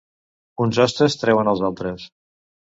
Uns hostes treuen els altres.